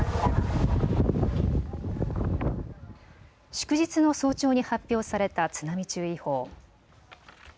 祝日の早朝に発表された津波注意報。